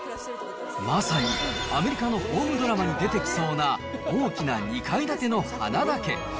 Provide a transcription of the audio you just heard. まさに、アメリカのホームドラマに出てきそうな大きな２階建ての花田家。